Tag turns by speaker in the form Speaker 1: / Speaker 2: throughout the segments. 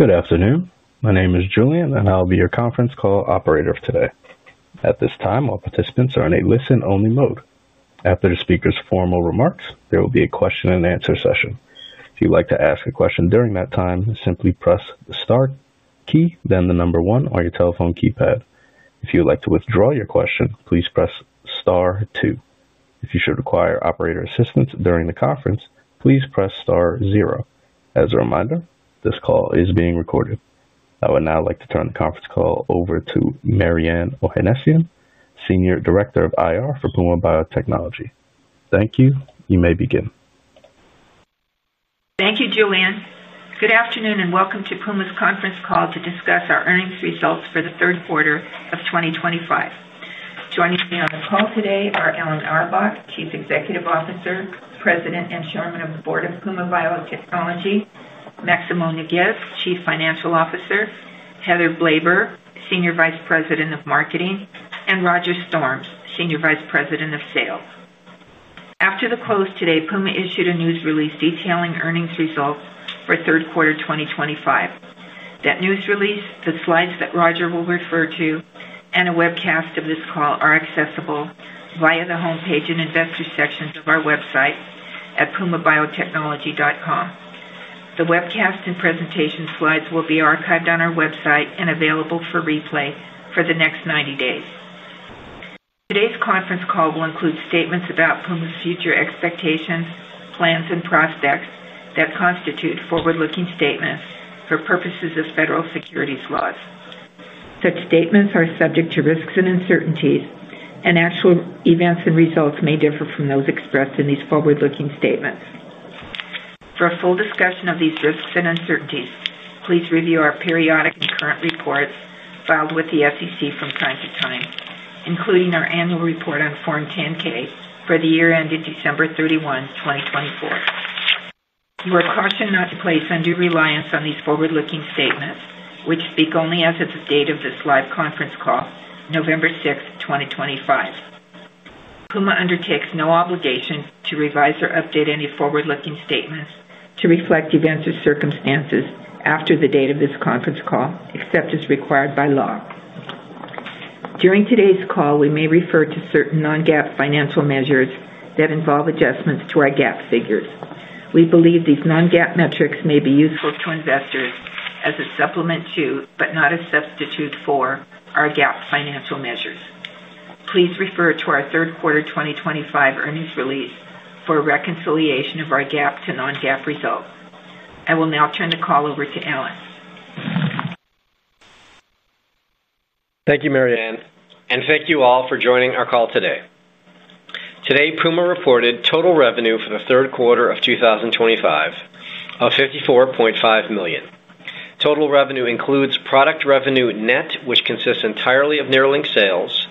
Speaker 1: Good afternoon. My name is Julian, and I'll be your conference call operator today. At this time, all participants are in a listen-only mode. After the speaker's formal remarks, there will be a question-and-answer session. If you'd like to ask a question during that time, simply press the star key, then the number one, on your telephone keypad. If you'd like to withdraw your question, please press star two. If you should require operator assistance during the conference, please press star zero. As a reminder, this call is being recorded. I would now like to turn the conference call over to Mariann Ohanesian, Senior Director of Investor Relations for Puma Biotechnology. Thank you. You may begin.
Speaker 2: Thank you, Julian. Good afternoon and welcome to Puma's conference call to discuss our earnings results for the third quarter of 2025. Joining me on the call today are Alan Auerbach, Chief Executive Officer, President and Chairman of the Board of Puma Biotechnology; Maximo F. Nougues, Chief Financial Officer; Heather Blaber, Senior Vice President of Marketing; and Roger Storms, Senior Vice President of Sales. After the close today, Puma issued a news release detailing earnings results for third quarter 2025. That news release, the slides that Roger will refer to, and a webcast of this call are accessible via the homepage and investor sections of our website at pumabiotechnology.com. The webcast and presentation slides will be archived on our website and available for replay for the next 90 days. Today's conference call will include statements about Puma's future expectations, plans, and prospects that constitute forward-looking statements for purposes of federal securities laws. Such statements are subject to risks and uncertainties, and actual events and results may differ from those expressed in these forward-looking statements. For a full discussion of these risks and uncertainties, please review our periodic and current reports filed with the SEC from time to time, including our annual report on Form 10-K for the year ended December 31, 2024. You are cautioned not to place undue reliance on these forward-looking statements, which speak only as of the date of this live conference call, November 6th, 2025. Puma undertakes no obligation to revise or update any forward-looking statements to reflect events or circumstances after the date of this conference call, except as required by law. During today's call, we may refer to certain non-GAAP financial measures that involve adjustments to our GAAP figures. We believe these non-GAAP metrics may be useful to investors as a supplement to, but not a substitute for, our GAAP financial measures. Please refer to our third quarter 2025 earnings release for reconciliation of our GAAP to non-GAAP results. I will now turn the call over to Alan.
Speaker 3: Thank you, Mariann, and thank you all for joining our call today. Today, Puma reported total revenue for the third quarter of 2025 of $54.5 million. Total revenue includes product revenue net, which consists entirely of Nerlynx sales,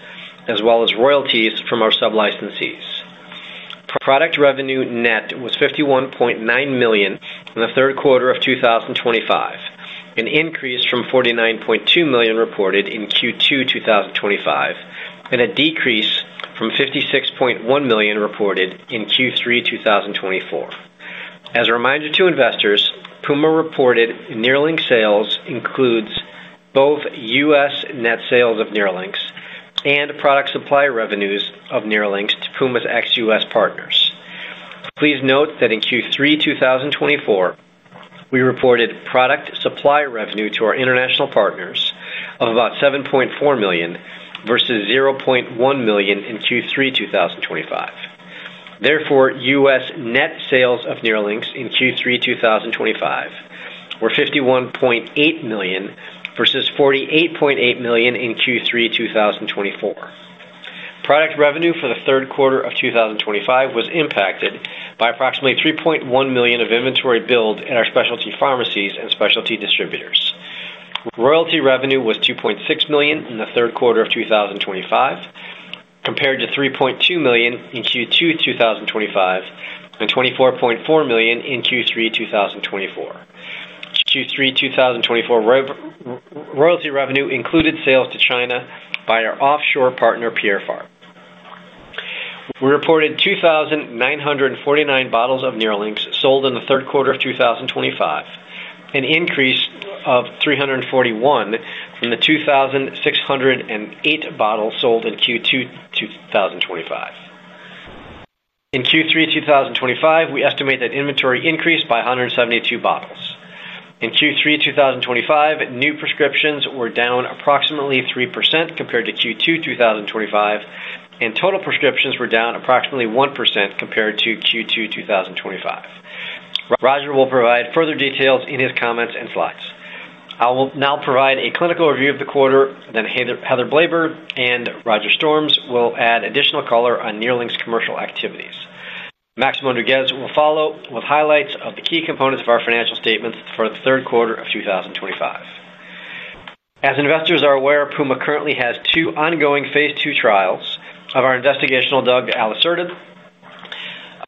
Speaker 3: as well as royalties from our sub-licensees. Product revenue net was $51.9 million in the third quarter of 2025, an increase from $49.2 million reported in Q2 2025 and a decrease from $56.1 million reported in Q3 2024. As a reminder to investors, Puma reported Nerlynx sales includes both U.S. net sales of Nerlynx and product supply revenues of Nerlynx to Puma's ex-U.S. partners. Please note that in Q3 2024, we reported product supply revenue to our international partners of about $7.4 million versus $0.1 million in Q3 2025. Therefore, U.S. net sales of Nerlynx in Q3 2025 were $51.8 million versus $48.8 million in Q3 2024. Product revenue for the third quarter of 2025 was impacted by approximately $3.1 million of inventory billed at our specialty pharmacies and specialty distributors. Royalty revenue was $2.6 million in the third quarter of 2025, compared to $3.2 million in Q2 2025 and $24.4 million in Q3 2024. Q3 2024 royalty revenue included sales to China by our offshore partner, Pierre Fabre. We reported 2,949 bottles of Nerlynx sold in the third quarter of 2025, an increase of 341 from the 2,608 bottles sold in Q2 2025. In Q3 2025, we estimate that inventory increased by 172 bottles. In Q3 2025, new prescriptions were down approximately 3% compared to Q2 2025, and total prescriptions were down approximately 1% compared to Q2 2025. Roger will provide further details in his comments and slides. I will now provide a clinical review of the quarter, then Heather Blaber and Roger Storms will add additional color on Nerlynx's commercial activities. Maximo Nougues will follow with highlights of the key components of our financial statements for the third quarter of 2025. As investors are aware, Puma currently has two ongoing phase 2 trials of our investigational drug, alisertib.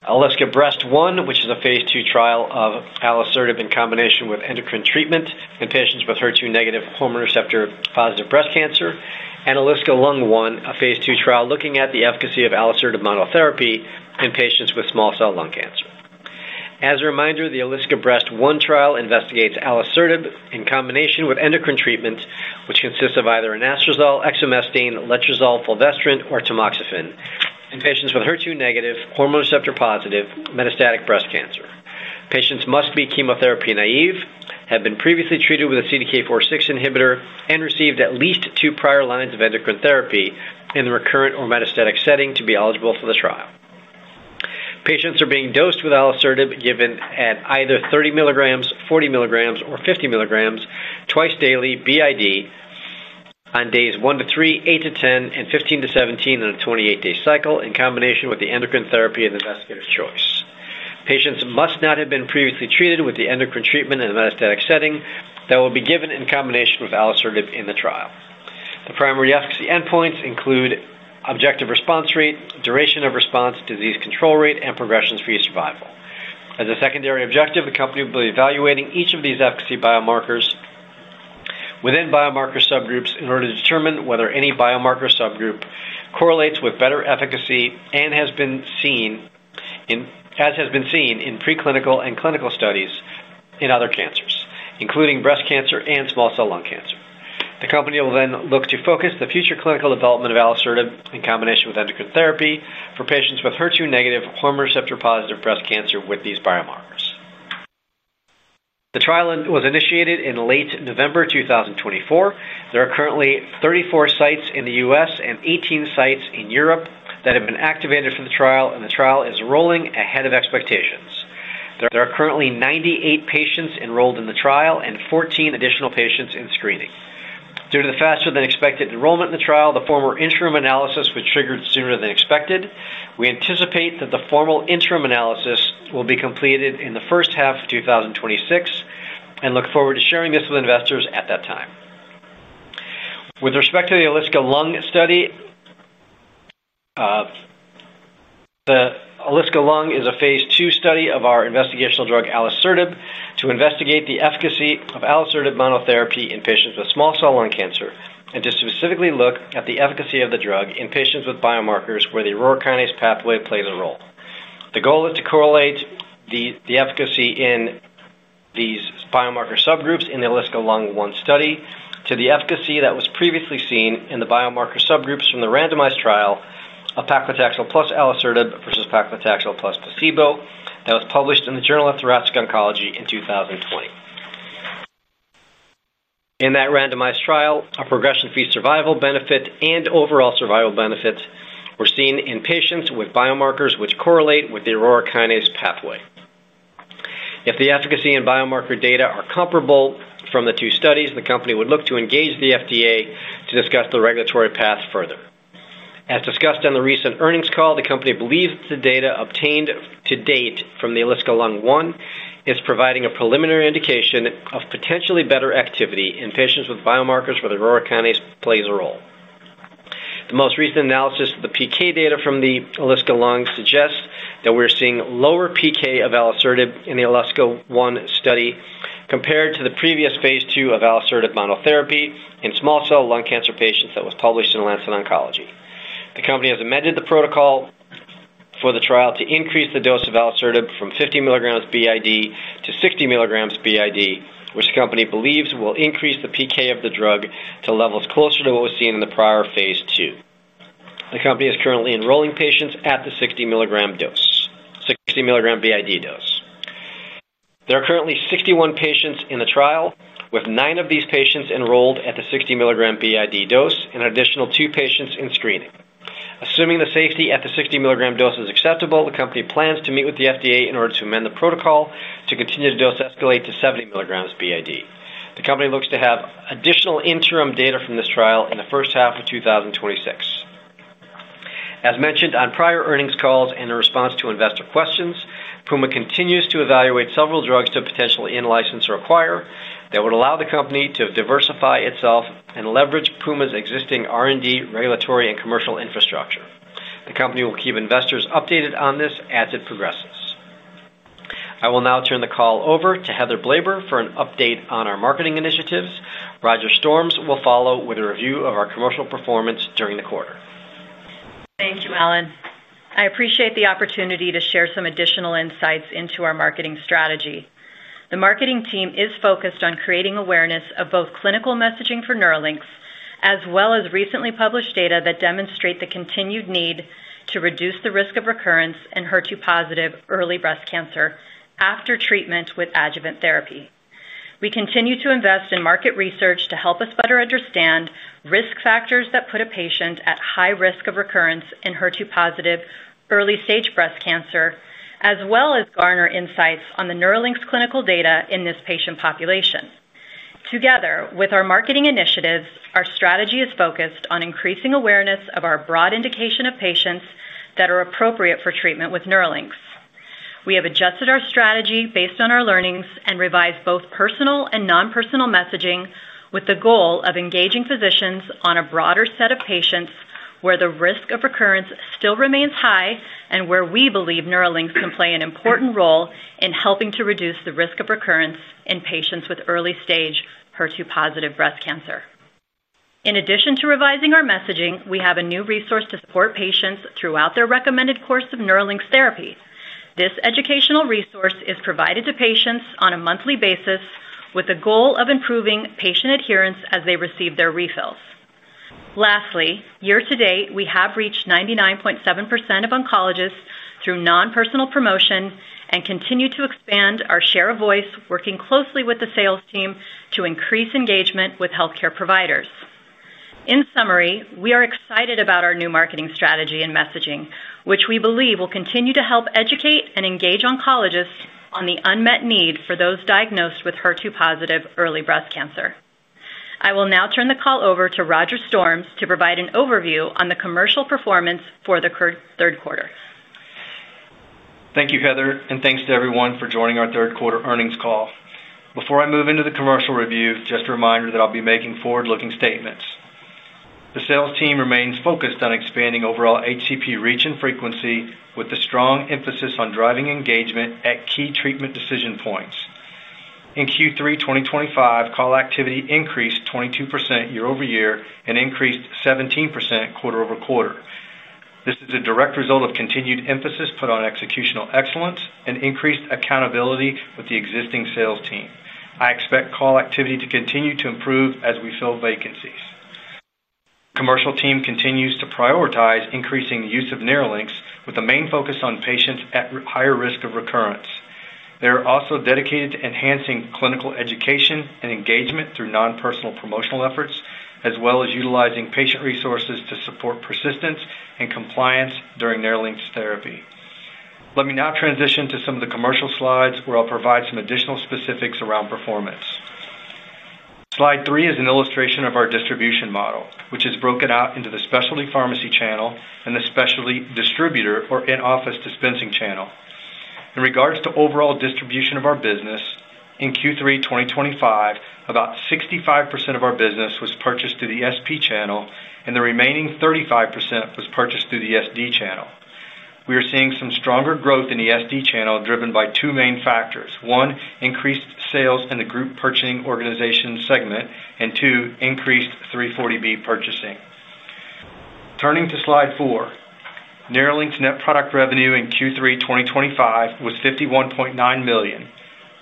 Speaker 3: ALISCA-Breast1, which is a phase 2 trial of alisertib in combination with endocrine treatment in patients with HER2-negative hormone receptor-positive breast cancer, and ALISCA-Lung1, a phase 2 trial looking at the efficacy of alisertib monotherapy in patients with small cell lung cancer. As a reminder, the ALISCA-Breast1 trial investigates alisertib in combination with endocrine treatment, which consists of either anastrozole, exemestane, letrozole, fulvestrant, or tamoxifen in patients with HER2-negative, hormone receptor-positive, metastatic breast cancer. Patients must be chemotherapy naive, have been previously treated with a CDK4/6 inhibitor, and received at least two prior lines of endocrine therapy in the recurrent or metastatic setting to be eligible for the trial. Patients are being dosed with alisertib given at either 30 mg, 40 mg, or 50 mg twice daily b.i.d. on days 1 to 3, 8 to 10, and 15 to 17 in a 28-day cycle in combination with the endocrine therapy of the investigator's choice. Patients must not have been previously treated with the endocrine treatment in the metastatic setting that will be given in combination with alisertib in the trial. The primary efficacy endpoints include objective response rate, duration of response, disease control rate, and progression-free survival. As a secondary objective, the company will be evaluating each of these efficacy biomarkers. Within biomarker subgroups in order to determine whether any biomarker subgroup correlates with better efficacy and has been seen. In preclinical and clinical studies in other cancers, including breast cancer and small cell lung cancer. The company will then look to focus the future clinical development of alisertib in combination with endocrine therapy for patients with HER2-negative, hormone receptor-positive breast cancer with these biomarkers. The trial was initiated in late November 2024. There are currently 34 sites in the U.S. and 18 sites in Europe that have been activated for the trial, and the trial is rolling ahead of expectations. There are currently 98 patients enrolled in the trial and 14 additional patients in screening. Due to the faster-than-expected enrollment in the trial, the formal interim analysis was triggered sooner than expected. We anticipate that the formal interim analysis will be completed in the first half of 2026 and look forward to sharing this with investors at that time. With respect to the ALISCA-Lung1 study, the ALISCA-Lung1 is a phase two study of our investigational drug, alisertib, to investigate the efficacy of alisertib monotherapy in patients with small cell lung cancer and to specifically look at the efficacy of the drug in patients with biomarkers where the aurora kinase pathway plays a role. The goal is to correlate the efficacy in these biomarker subgroups in the ALISCA-Lung1 study to the efficacy that was previously seen in the biomarker subgroups from the randomized trial of paclitaxel plus alisertib versus paclitaxel plus placebo that was published in the Journal of Thoracic Oncology in 2020. In that randomized trial, a progression-free survival benefit and overall survival benefit were seen in patients with biomarkers which correlate with the aurora kinase pathway. If the efficacy and biomarker data are comparable from the two studies, the company would look to engage the FDA to discuss the regulatory path further. As discussed on the recent earnings call, the company believes that the data obtained to date from the ALISCA-Lung1 is providing a preliminary indication of potentially better activity in patients with biomarkers where the aurora kinase plays a role. The most recent analysis of the PK data from the Alisca Lung suggests that we're seeing lower PK of alisertib in the Alisca Lung I study compared to the previous phase 2 of alisertib monotherapy in small cell lung cancer patients that was published in Lancet Oncology. The company has amended the protocol. For the trial to increase the dose of alisertib from 50 mg b.i.d. to 60 mg b.i.d., which the company believes will increase the PK of the drug to levels closer to what was seen in the prior phase 2. The company is currently enrolling patients at the 60 mg b.i.d. dose. There are currently 61 patients in the trial, with nine of these patients enrolled at the 60 mg b.i.d. dose and an additional two patients in screening. Assuming the safety at the 60 mg dose is acceptable, the company plans to meet with the FDA in order to amend the protocol to continue to dose escalate to 70 mg b.i.d. The company looks to have additional interim data from this trial in the first half of 2026. As mentioned on prior earnings calls and in response to investor questions, Puma continues to evaluate several drugs to potential end license or acquire that would allow the company to diversify itself and leverage Puma's existing R&D, regulatory, and commercial infrastructure. The company will keep investors updated on this as it progresses. I will now turn the call over to Heather Blaber for an update on our marketing initiatives. Roger Storms will follow with a review of our commercial performance during the quarter.
Speaker 4: Thank you, Alan. I appreciate the opportunity to share some additional insights into our marketing strategy. The marketing team is focused on creating awareness of both clinical messaging for Nerlynx as well as recently published data that demonstrate the continued need to reduce the risk of recurrence in HER2-positive early breast cancer after treatment with adjuvant therapy. We continue to invest in market research to help us better understand risk factors that put a patient at high risk of recurrence in HER2-positive early-stage breast cancer, as well as garner insights on the Nerlynx clinical data in this patient population. Together with our marketing initiatives, our strategy is focused on increasing awareness of our broad indication of patients that are appropriate for treatment with Nerlynx. We have adjusted our strategy based on our learnings and revised both personal and non-personal messaging with the goal of engaging physicians on a broader set of patients where the risk of recurrence still remains high and where we believe Nerlynx can play an important role in helping to reduce the risk of recurrence in patients with early-stage HER2-positive breast cancer. In addition to revising our messaging, we have a new resource to support patients throughout their recommended course of Nerlynx therapy. This educational resource is provided to patients on a monthly basis with the goal of improving patient adherence as they receive their refills. Lastly, year-to-date, we have reached 99.7% of oncologists through non-personal promotion and continue to expand our share of voice, working closely with the sales team to increase engagement with healthcare providers. In summary, we are excited about our new marketing strategy and messaging, which we believe will continue to help educate and engage oncologists on the unmet need for those diagnosed with HER2-positive early breast cancer. I will now turn the call over to Roger Storms to provide an overview on the commercial performance for the third quarter.
Speaker 5: Thank you, Heather, and thanks to everyone for joining our third quarter earnings call. Before I move into the commercial review, just a reminder that I'll be making forward-looking statements. The sales team remains focused on expanding overall HCP reach and frequency with a strong emphasis on driving engagement at key treatment decision points. In Q3 2025, call activity increased 22% year-over-year and increased 17% quarter-over-quarter. This is a direct result of continued emphasis put on executional excellence and increased accountability with the existing sales team. I expect call activity to continue to improve as we fill vacancies. The commercial team continues to prioritize increasing the use of Nerlynx with a main focus on patients at higher risk of recurrence. They are also dedicated to enhancing clinical education and engagement through non-personal promotional efforts, as well as utilizing patient resources to support persistence and compliance during Nerlynx therapy. Let me now transition to some of the commercial slides where I'll provide some additional specifics around performance. Slide three is an illustration of our distribution model, which is broken out into the specialty pharmacy channel and the specialty distributor or in-office dispensing channel. In regards to overall distribution of our business, in Q3 2025, about 65% of our business was purchased through the SP channel, and the remaining 35% was purchased through the SD channel. We are seeing some stronger growth in the SD channel driven by two main factors: one, increased sales in the group purchasing organization segment, and two, increased 340B purchasing. Turning to slide four. Nerlynx's net product revenue in Q3 2025 was $51.9 million,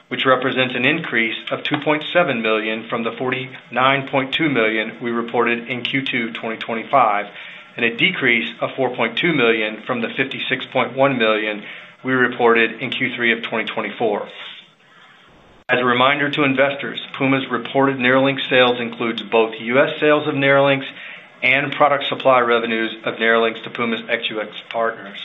Speaker 5: which represents an increase of $2.7 million from the $49.2 million we reported in Q2 2025 and a decrease of $4.2 million from the $56.1 million we reported in Q3 of 2024. As a reminder to investors, Puma's reported Nerlynx sales include both U.S. sales of Nerlynx and product supply revenues of Nerlynx to Puma's ex-U.S. partners.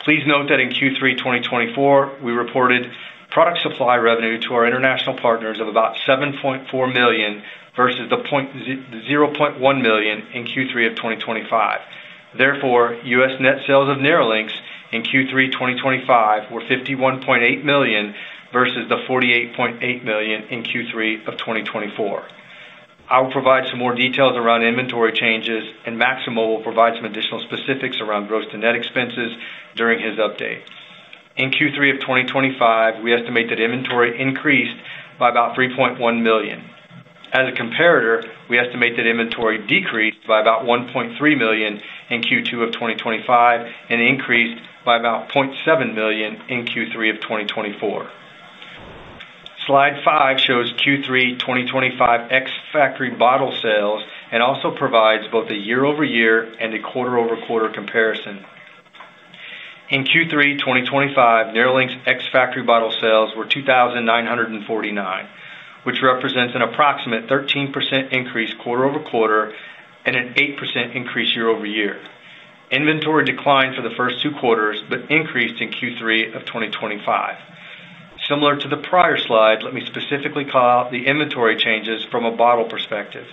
Speaker 5: Please note that in Q3 2024, we reported product supply revenue to our international partners of about $7.4 million versus the $0.1 million in Q3 of 2025. Therefore, U.S. net sales of Nerlynx in Q3 2025 were $51.8 million versus the $48.8 million in Q3 of 2024. I will provide some more details around inventory changes, and Maximo will provide some additional specifics around gross-to-net expenses during his update. In Q3 of 2025, we estimate that inventory increased by about $3.1 million. As a comparator, we estimate that inventory decreased by about $1.3 million in Q2 of 2025 and increased by about $0.7 million in Q3 of 2024. Slide five shows Q3 2025 X Factory Bottle sales and also provides both a year-over-year and a quarter-over-quarter comparison. In Q3 2025, Nerlynx X Factory Bottle sales were 2,949, which represents an approximate 13% increase quarter-over-quarter and an 8% increase year-over-year. Inventory declined for the first two quarters but increased in Q3 of 2025. Similar to the prior slide, let me specifically call out the inventory changes from a bottle perspective.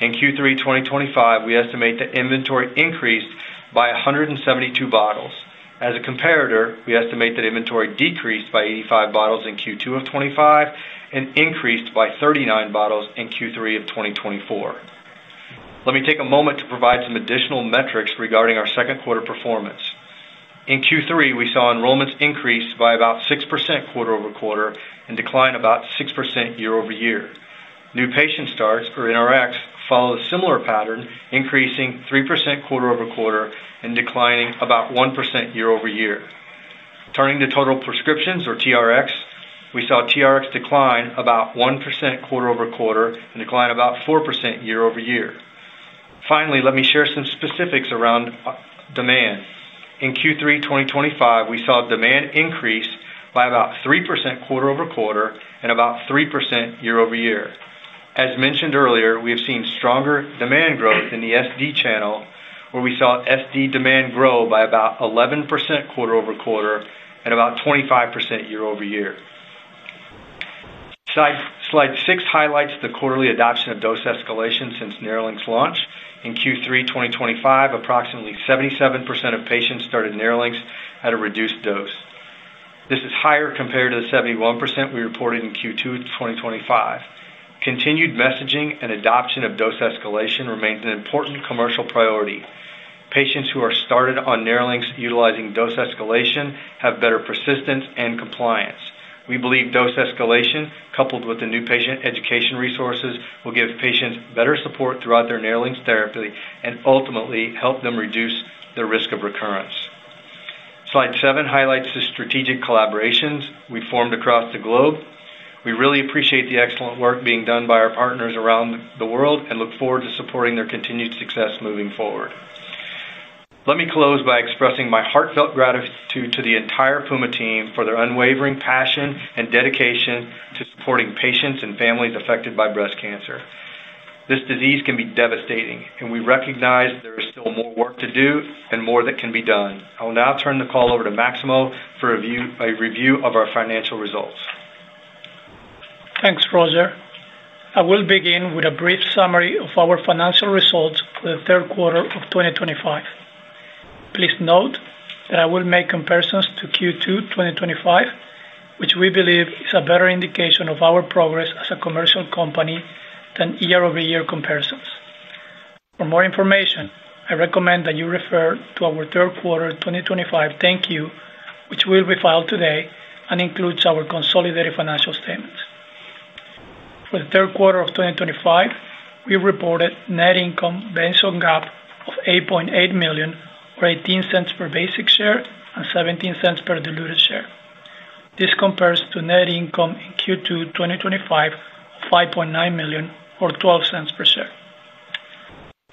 Speaker 5: In Q3 2025, we estimate that inventory increased by 172 bottles. As a comparator, we estimate that inventory decreased by 85 bottles in Q2 of 2025 and increased by 39 bottles in Q3 of 2024. Let me take a moment to provide some additional metrics regarding our second quarter performance. In Q3, we saw enrollments increase by about 6% quarter-over-quarter and decline about 6% year-over-year. New patient starts or NRX follow a similar pattern, increasing 3% quarter-over-quarter and declining about 1% year-over-year. Turning to total prescriptions or TRX, we saw TRX decline about 1% quarter-over-quarter and decline about 4% year-over-year. Finally, let me share some specifics around demand. In Q3 2025, we saw demand increase by about 3% quarter-over-quarter and about 3% year-over-year. As mentioned earlier, we have seen stronger demand growth in the SD channel, where we saw SD demand grow by about 11% quarter-over-quarter and about 25% year-over-year. Slide six highlights the quarterly adoption of dose escalation since Nerlynx launch. In Q3 2025, approximately 77% of patients started Nerlynx at a reduced dose. This is higher compared to the 71% we reported in Q2 2025. Continued messaging and adoption of dose escalation remains an important commercial priority. Patients who are started on Nerlynx utilizing dose escalation have better persistence and compliance. We believe dose escalation coupled with the new patient education resources will give patients better support throughout their Nerlynx therapy and ultimately help them reduce the risk of recurrence. Slide seven highlights the strategic collaborations we formed across the globe. We really appreciate the excellent work being done by our partners around the world and look forward to supporting their continued success moving forward. Let me close by expressing my heartfelt gratitude to the entire Puma team for their unwavering passion and dedication to supporting patients and families affected by breast cancer. This disease can be devastating, and we recognize there is still more work to do and more that can be done. I will now turn the call over to Maximo for a review of our financial results.
Speaker 6: Thanks, Roger. I will begin with a brief summary of our financial results for the third quarter of 2025. Please note that I will make comparisons to Q2 2025, which we believe is a better indication of our progress as a commercial company than year-over-year comparisons. For more information, I recommend that you refer to our third quarter 2025 10-Q, which will be filed today and includes our consolidated financial statements. For the third quarter of 2025, we reported net income based on GAAP of $8.8 million, or $0.18 per basic share and $0.17 per diluted share. This compares to net income in Q2 2025 of $5.9 million, or $0.12 per share.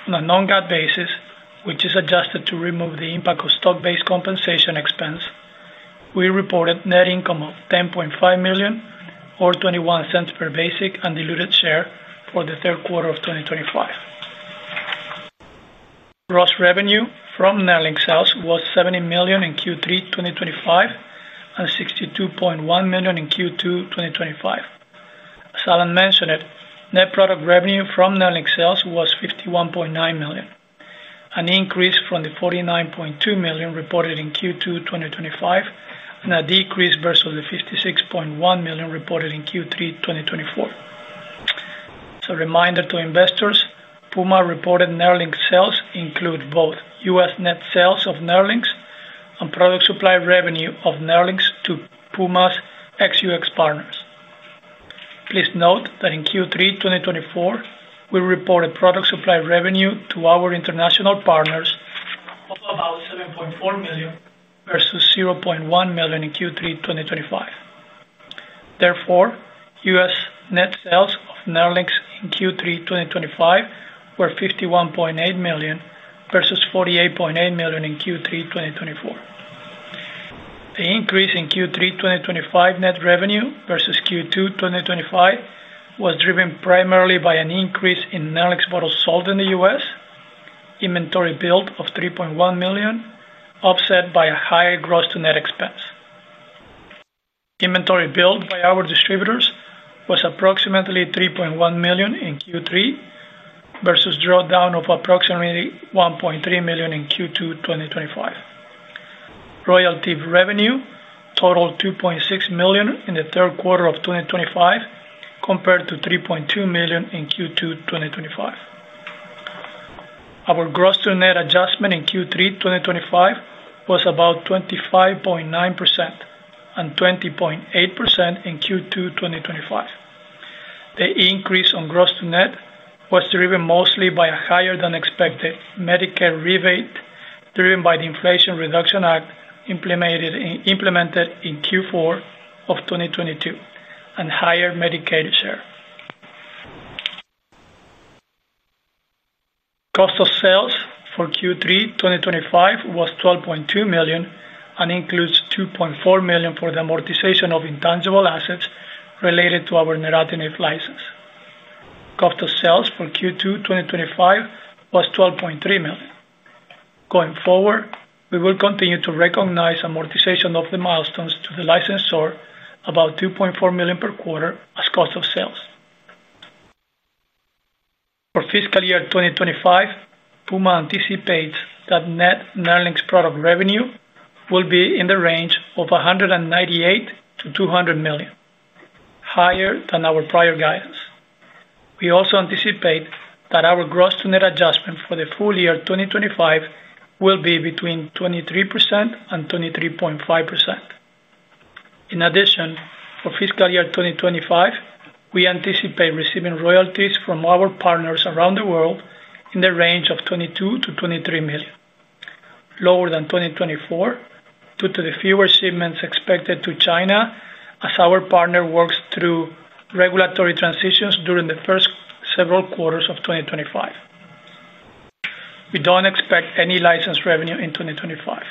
Speaker 6: On a non-GAAP basis, which is adjusted to remove the impact of stock-based compensation expense, we reported net income of $10.5 million, or $0.21 per basic and diluted share for the third quarter of 2025. Gross revenue from Nerlynx sales was $70 million in Q3 2025 and $62.1 million in Q2 2025. As Alan mentioned, net product revenue from Nerlynx sales was $51.9 million, an increase from the $49.2 million reported in Q2 2025 and a decrease versus the $56.1 million reported in Q3 2024. As a reminder to investors, Puma reported Nerlynx sales include both U.S. net sales of Nerlynx and product supply revenue of Nerlynx to Puma's ex-U.S. partners. Please note that in Q3 2024, we reported product supply revenue to our international partners of about $7.4 million versus $0.1 million in Q3 2025. Therefore, U.S. Net sales of Nerlynx in Q3 2025 were $51.8 million versus $48.8 million in Q3 2024. The increase in Q3 2025 net revenue versus Q2 2025 was driven primarily by an increase in Nerlynx bottles sold in the U.S. Inventory build of $3.1 million, offset by a higher gross-to-net expense. Inventory build by our distributors was approximately $3.1 million in Q3 versus drawdown of approximately $1.3 million in Q2 2025. Royalty revenue totaled $2.6 million in the third quarter of 2025 compared to $3.2 million in Q2 2025. Our gross-to-net adjustment in Q3 2025 was about 25.9% and 20.8% in Q2 2025. The increase on gross-to-net was driven mostly by a higher than expected Medicare rebate driven by the Inflation Reduction Act implemented in Q4 of 2022 and higher Medicaid share. Cost of sales for Q3 2025 was $12.2 million and includes $2.4 million for the amortization of intangible assets related to our Nerlynx license. Cost of sales for Q2 2025 was $12.3 million. Going forward, we will continue to recognize amortization of the milestones to the licensor, about $2.4 million per quarter as cost of sales. For fiscal year 2025, Puma anticipates that net Nerlynx product revenue will be in the range of $198 million-$200 million, higher than our prior guidance. We also anticipate that our gross-to-net adjustment for the full year 2025 will be between 23%-23.5%. In addition, for fiscal year 2025, we anticipate receiving royalties from our partners around the world in the range of $22 million-$23 million, lower than 2024 due to the fewer shipments expected to China as our partner works through regulatory transitions during the first several quarters of 2025. We do not expect any license revenue in 2025.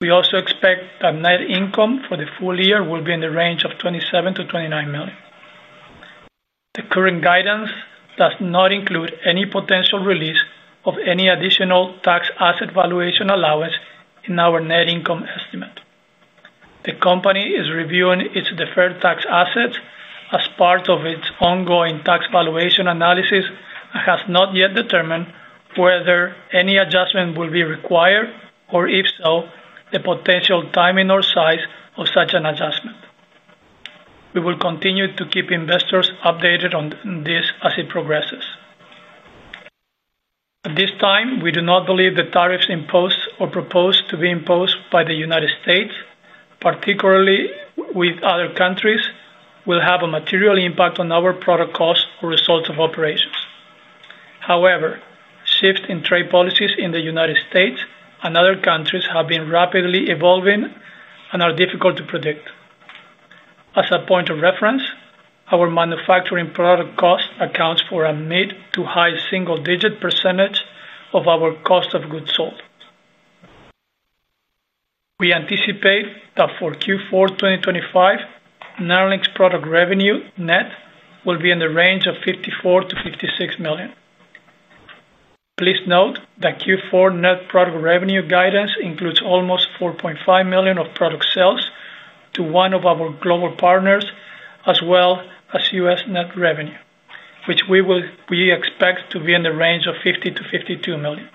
Speaker 6: We also expect that net income for the full year will be in the range of $27 million-$29 million. The current guidance does not include any potential release of any additional tax asset valuation allowance in our net income estimate. The company is reviewing its deferred tax assets as part of its ongoing tax valuation analysis and has not yet determined whether any adjustment will be required or, if so, the potential timing or size of such an adjustment. We will continue to keep investors updated on this as it progresses. At this time, we do not believe the tariffs imposed or proposed to be imposed by the United States, particularly with other countries, will have a material impact on our product costs or results of operations. However, shifts in trade policies in the United States and other countries have been rapidly evolving and are difficult to predict. As a point of reference, our manufacturing product cost accounts for a mid to high single-digit percentage of our cost of goods sold. We anticipate that for Q4 2025, Nerlynx product revenue net will be in the range of $54 million-$56 million. Please note that Q4 net product revenue guidance includes almost $4.5 million of product sales to one of our global partners, as well as U.S. net revenue, which we expect to be in the range of $50 million-$52 million.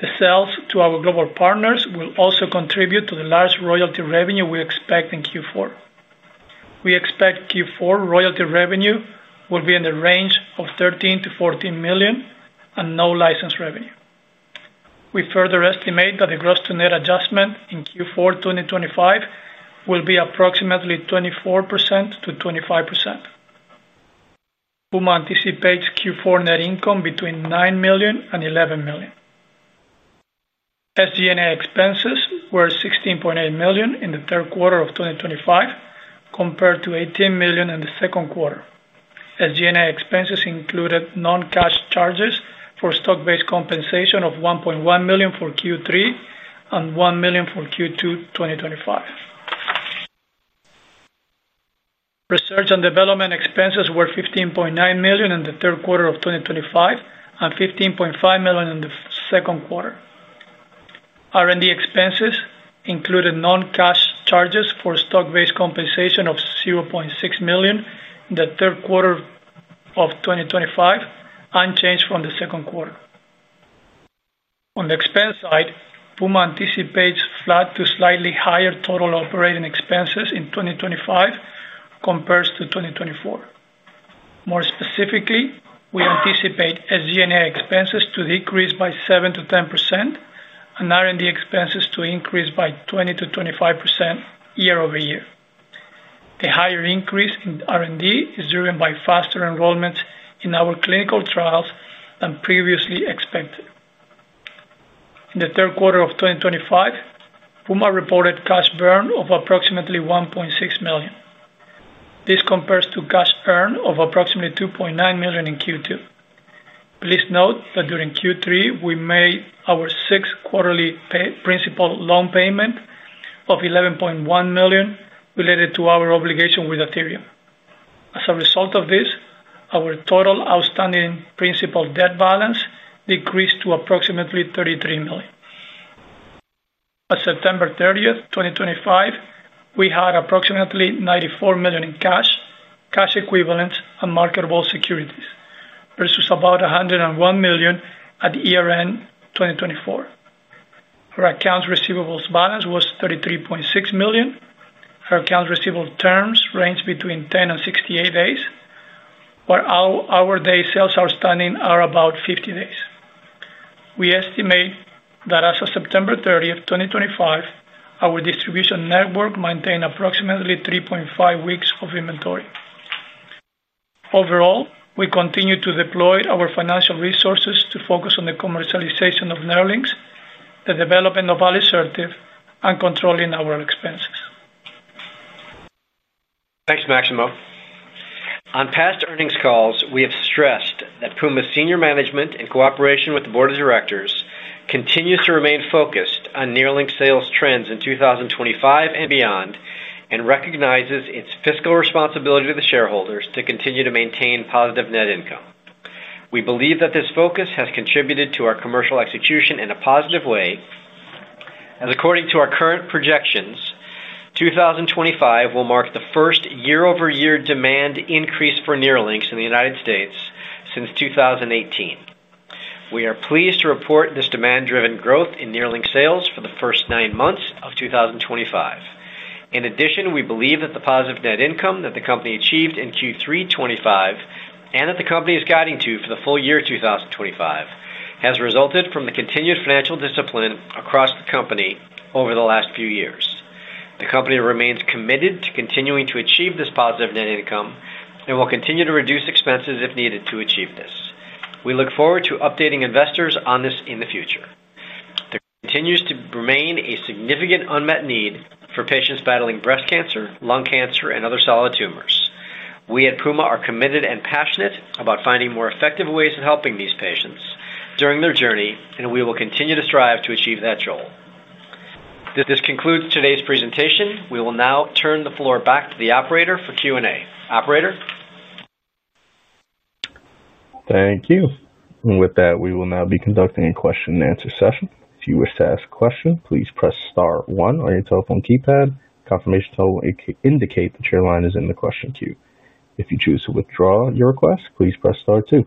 Speaker 6: The sales to our global partners will also contribute to the large royalty revenue we expect in Q4. We expect Q4 royalty revenue will be in the range of $13 million-$14 million and no license revenue. We further estimate that the gross-to-net adjustment in Q4 2025 will be approximately 24%-25%. Puma anticipates Q4 net income between $9 million and $11 million. SG&A expenses were $16.8 million in the third quarter of 2025 compared to $18 million in the second quarter. SG&A expenses included non-cash charges for stock-based compensation of $1.1 million for Q3 and $1 million for Q2 2025. Research and development expenses were $15.9 million in the third quarter of 2025 and $15.5 million in the second quarter. R&D expenses included non-cash charges for stock-based compensation of $0.6 million in the third quarter of 2025, unchanged from the second quarter. On the expense side, Puma anticipates flat to slightly higher total operating expenses in 2025 compared to 2024. More specifically, we anticipate SG&A expenses to decrease by 7%-10%. R&D expenses to increase by 20%-25% year-over-year. The higher increase in R&D is driven by faster enrollments in our clinical trials than previously expected. In the third quarter of 2025, Puma reported cash burn of approximately $1.6 million. This compares to cash earned of approximately $2.9 million in Q2. Please note that during Q3, we made our sixth quarterly principal loan payment of $11.1 million related to our obligation with Ethereum. As a result of this, our total outstanding principal debt balance decreased to approximately $33 million. On September 30th, 2025, we had approximately $94 million in cash, cash equivalents, and marketable securities versus about $101 million at year-end 2024. Our accounts receivables balance was $33.6 million. Our accounts receivable terms ranged between 10 and 68 days. While our day sales outstanding are about 50 days. We estimate that as of September 30th, 2025, our distribution network maintained approximately 3.5 weeks of inventory. Overall, we continue to deploy our financial resources to focus on the commercialization of Nerlynx, the development of alisertib, and controlling our expenses.
Speaker 3: Thanks, Maximo. On past earnings calls, we have stressed that Puma's senior management, in cooperation with the board of directors, continues to remain focused on Nerlynx sales trends in 2025 and beyond and recognizes its fiscal responsibility to the shareholders to continue to maintain positive net income. We believe that this focus has contributed to our commercial execution in a positive way. As according to our current projections, 2025 will mark the first year-over-year demand increase for Nerlynx in the U.S. since 2018. We are pleased to report this demand-driven growth in Nerlynx sales for the first nine months of 2025. In addition, we believe that the positive net income that the company achieved in Q3 2025 and that the company is guiding to for the full year 2025 has resulted from the continued financial discipline across the company over the last few years. The company remains committed to continuing to achieve this positive net income and will continue to reduce expenses if needed to achieve this. We look forward to updating investors on this in the future. There continues to remain a significant unmet need for patients battling breast cancer, lung cancer, and other solid tumors. We at Puma are committed and passionate about finding more effective ways of helping these patients during their journey, and we will continue to strive to achieve that goal. This concludes today's presentation. We will now turn the floor back to the operator for Q&A. Operator.
Speaker 1: Thank you. With that, we will now be conducting a question-and-answer session. If you wish to ask a question, please press star one on your telephone keypad. Confirmation will indicate that your line is in the question queue. If you choose to withdraw your request, please press star two.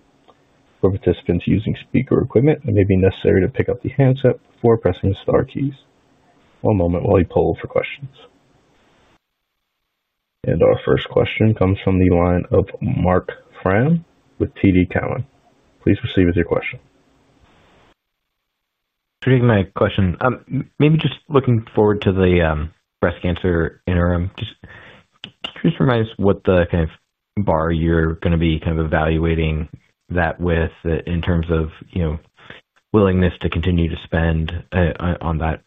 Speaker 1: For participants using speaker equipment, it may be necessary to pick up the handset before pressing the Star keys. One moment while we poll for questions. Our first question comes from the line of Mark Frahm with TD Cowen. Please proceed with your question.
Speaker 7: Should I make a question? Maybe just looking forward to the breast cancer interim. Just please remind us what the kind of bar you're going to be kind of evaluating that with in terms of willingness to continue to spend on that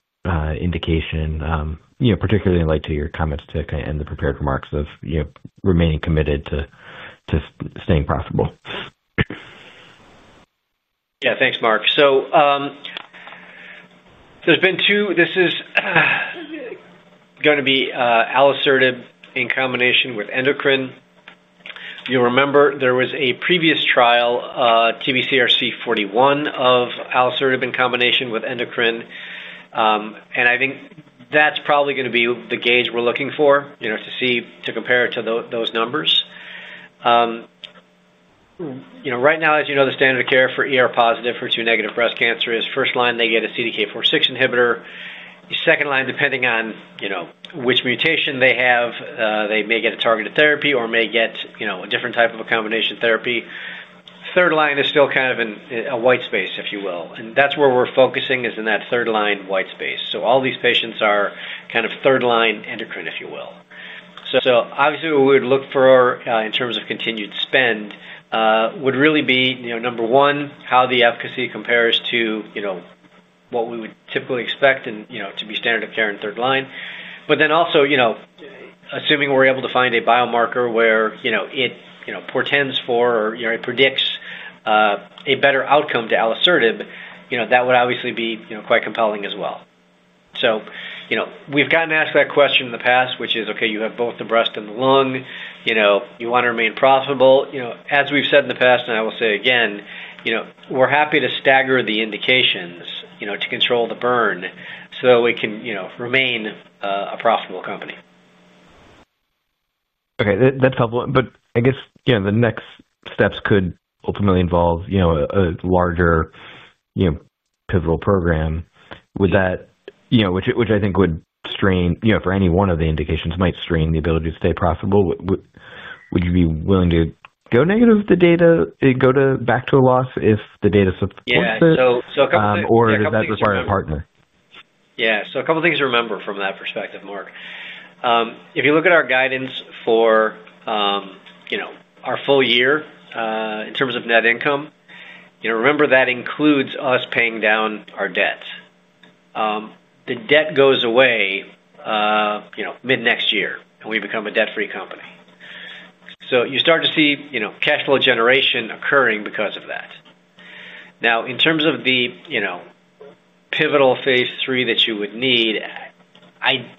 Speaker 7: indication, particularly in light of your comments to kind of end the prepared remarks of remaining committed to staying profitable.
Speaker 3: Yeah, thanks, Mark. There have been two—this is going to be alisertib in combination with endocrine. You'll remember there was a previous trial, TBCRC41, of alisertib in combination with endocrine. I think that's probably going to be the gauge we're looking for to compare to those numbers. Right now, as you know, the standard of care for HER2-negative breast cancer is, first line, they get a CDK4/6 inhibitor. Second line, depending on which mutation they have, they may get a targeted therapy or may get a different type of a combination therapy. Third line is still kind of in a white space, if you will. That's where we're focusing is in that third line white space. All these patients are kind of third line endocrine, if you will. Obviously, what we would look for in terms of continued spend would really be, number one, how the efficacy compares to what we would typically expect to be standard of care in third line. Also, assuming we're able to find a biomarker where it portends for or it predicts a better outcome to alisertib, that would obviously be quite compelling as well. We've gotten asked that question in the past, which is, okay, you have both the breast and the lung. You want to remain profitable. As we've said in the past, and I will say again, we're happy to stagger the indications to control the burn so that we can remain a profitable company.
Speaker 7: Okay. That's helpful. I guess the next steps could ultimately involve a larger, pivotal program, which I think would strain—for any one of the indications might strain the ability to stay profitable. Would you be willing to go negative with the data and go back to a loss if the data supports it?
Speaker 3: Yeah. A couple things to remember.
Speaker 7: Does that require a partner?
Speaker 3: Yeah. So a couple of things to remember from that perspective, Mark. If you look at our guidance for our full year in terms of net income, remember that includes us paying down our debt. The debt goes away mid next year, and we become a debt-free company. You start to see cash flow generation occurring because of that. Now, in terms of the pivotal phase 3 that you would need,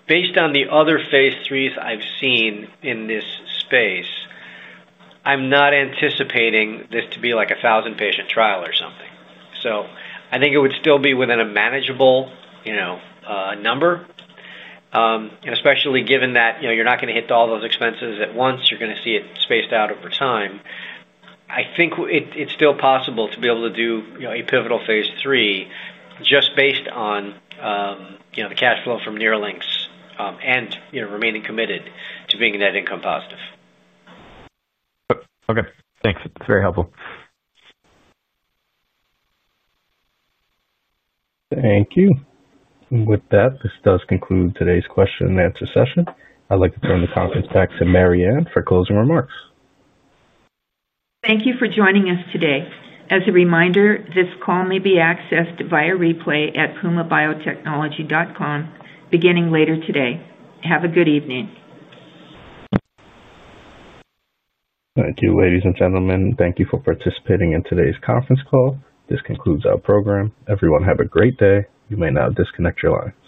Speaker 3: based on the other phase 3s I've seen in this space, I'm not anticipating this to be like a 1,000-patient trial or something. I think it would still be within a manageable number. Especially given that you're not going to hit all those expenses at once, you're going to see it spaced out over time. I think it's still possible to be able to do a pivotal phase 3 just based on. The cash flow from Nerlynx and remaining committed to being net income positive.
Speaker 7: Okay. Thanks. That's very helpful.
Speaker 1: Thank you. With that, this does conclude today's question and answer session. I'd like to turn the conference back to Mariann for closing remarks.
Speaker 2: Thank you for joining us today. As a reminder, this call may be accessed via replay at pumabiotechnology.com beginning later today. Have a good evening.
Speaker 1: Thank you, ladies and gentlemen. Thank you for participating in today's conference call. This concludes our program. Everyone, have a great day. You may now disconnect your line.